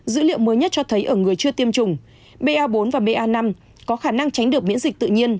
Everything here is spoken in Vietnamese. dữ liệu mới nhất cho thấy ở người chưa tiêm chủng ba bốn và ba năm có khả năng tránh được miễn dịch tự nhiên